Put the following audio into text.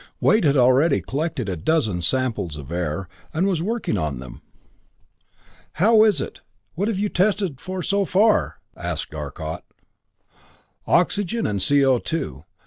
Wade had already collected a dozen samples of air, and was working on them. "How is it what have you tested for so far?" asked Arcot. "Oxygen and CO_.